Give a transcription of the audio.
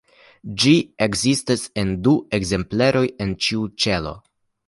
Ĝi ekzistas en du ekzempleroj en ĉiu ĉelo.